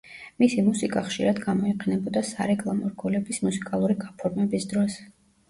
მისი მუსიკა ხშირად გამოიყენებოდა სარეკლამო რგოლების მუსიკალური გაფორმების დროს.